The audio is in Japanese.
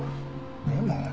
でも。